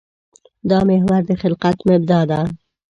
دا محور د خلقت مبدا ده.